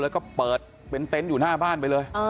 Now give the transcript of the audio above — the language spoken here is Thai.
แล้วก็เปิดเป็นเต็นต์อยู่หน้าบ้านไปเลย